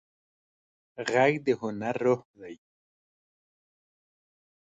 غږ د هنر روح دی